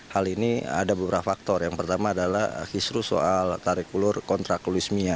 hal ini ada beberapa faktor yang pertama adalah kisru soal tarik ulur kontrak luismia